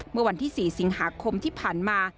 เมื่อวันที่๔สิงหาคมที่ผ่านมา